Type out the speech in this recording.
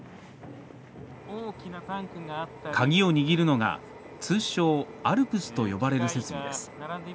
鍵を握るのが通称「ＡＬＰＳ」と呼ばれる設備です